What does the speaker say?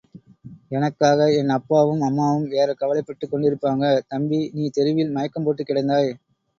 எனக்காக என் அப்பாவும் அம்மாவும் வேறே கவலைப்பட்டுக் கொண்டிருப்பாங்க. தம்பி, நீ தெருவில் மயக்கம் போட்டுக் கிடந்தாய்.